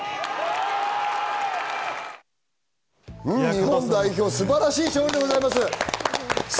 日本代表、素晴らしい勝利でございます。